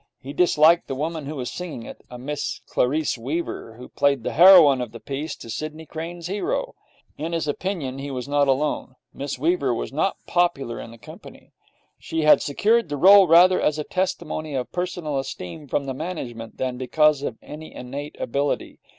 He disliked the woman who was singing it a Miss Clarice Weaver, who played the heroine of the piece to Sidney Crane's hero. In his opinion he was not alone. Miss Weaver was not popular in the company. She had secured the role rather as a testimony of personal esteem from the management than because of any innate ability.